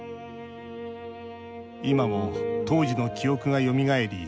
今も当時の記憶がよみがえり